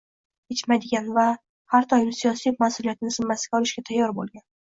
kechmaydigan va har doim siyosiy mas’uliyatni zimmasiga olishga tayyor bo‘lgan